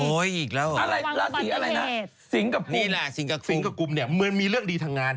โอ้ยอีกแล้วอ่ะวันประเภทสิงห์กระกุมสิงห์กระกุมเนี่ยเหมือนมีเรื่องดีทางงาน